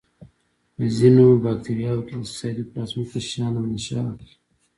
په ځینو باکتریاوو کې د سایتوپلازمیک غشا نه منشأ اخلي.